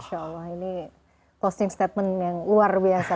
masya allah ini posting statement yang luar biasa